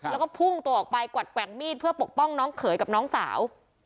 แล้วก็พุ่งตัวออกไปกวัดแกว่งมีดเพื่อปกป้องน้องเขยกับน้องสาว